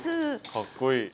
かっこいい。